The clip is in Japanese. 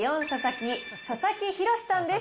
木、佐々木浩さんです。